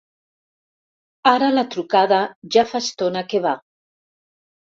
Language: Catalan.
Ara la trucada ja fa estona que va.